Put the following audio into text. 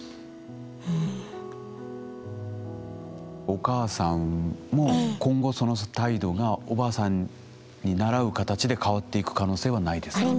お母さんも今後その態度がおばあさんに倣う形で変わっていく可能性はないですか？